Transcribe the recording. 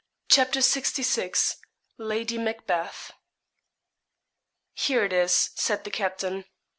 CHAPTER LXVI. LADY MACBETH. 'Here it is,' said the captain.